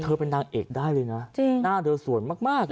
เธอเป็นนางเอกได้เลยนะน่าเดินส่วนมากเลยนะคะ